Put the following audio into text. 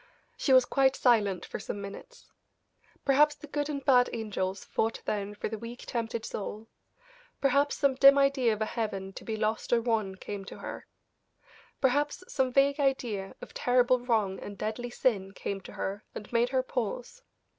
She was quite silent for some minutes. Perhaps the good and bad angels fought then for the weak, tempted soul; perhaps some dim idea of a heaven to be lost or won came to her; perhaps some vague idea of terrible wrong and deadly sin came to her and made her pause.